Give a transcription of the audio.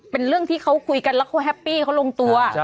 เป็นเรื่องที่เขาคุยกันแล้วเขาแฮปปี้เขาลงตัว